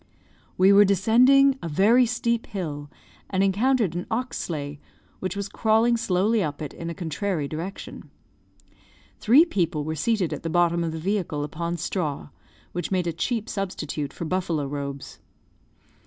We were descending a very steep hill, and encountered an ox sleigh, which was crawling slowly up it in a contrary direction. Three people were seated at the bottom of the vehicle upon straw, which made a cheap substitute for buffalo robes.